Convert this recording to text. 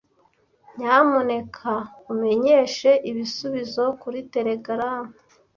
Nyamuneka umenyeshe ibisubizo kuri telegaramu.